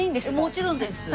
もちろんです。